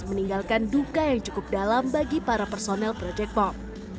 meninggalkan duka yang cukup dalam bagi para personel project pop